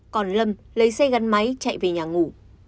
còn lâm lấy xe gắn máy chạy về nhà ngủ